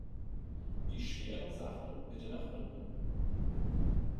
Die schweren Sachen bitte nach unten!